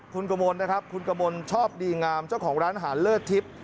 คุณกมลนะครับคุณกมลชอบดีงามเจ้าของร้านอาหารเลิศทิพย์